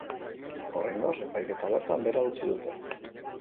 Oraingoz, epaiketa bertan behera utzi dute.